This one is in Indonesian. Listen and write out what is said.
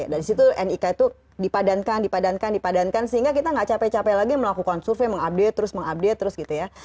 dan di situ nik itu dipadankan dipadankan dipadankan sehingga kita nggak capek capek lagi melakukan survei mengupdate terus mengupdate terus gitu ya